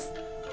eh kak manus